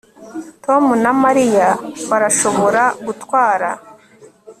Tom na Mariya barashobora gutwara